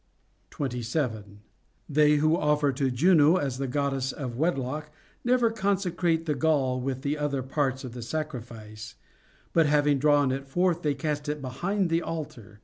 27. They who offer to Juno as the Goddess of Wedlock never consecrate the gall with the other parts of the sacri fice, but having drawn it forth, they cast it behind the altar.